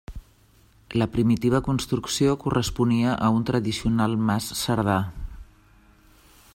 La primitiva construcció corresponia a un tradicional Mas Cerdà.